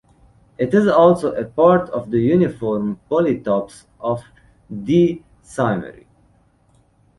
It is also a part of the uniform polytopes of D symmery.